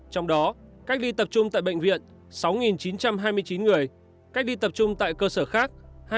trong đó cách ly tập trung tại bệnh viện sáu chín trăm hai mươi chín người cách ly tập trung tại cơ sở khác